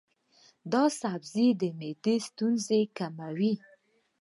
دا سبزی د معدې ستونزې کموي.